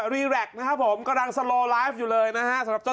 รีแรคนะครับผมกำลังสโลไลฟ์อยู่เลยนะฮะสำหรับเจ้า